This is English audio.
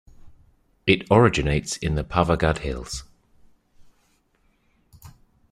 It originates in the Pavagadh Hills.